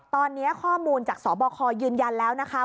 ตอนนี้ข้อมูลจากสบคยืนยันแล้วนะคะ